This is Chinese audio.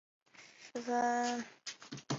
水分的不足使乔木难以立足。